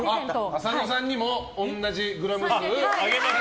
浅野さんにも同じグラム数あげます。